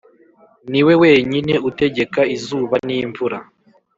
Niwe wenyine utegeka izuba n’imvura